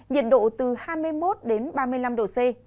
nhiệt độ từ hai mươi một đến ba mươi năm độ c